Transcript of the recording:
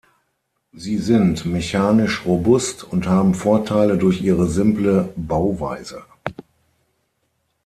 Sie sind mechanisch robust und haben Vorteile durch ihre simple Bauweise.